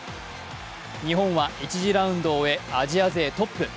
日本は１次ラウンドを終え、アジア勢トップ。